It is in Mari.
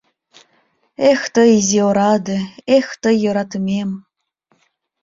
— Эх тый, изи ораде, эх тый, йӧратымем!